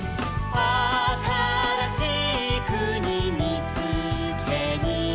「あたらしいくにみつけに」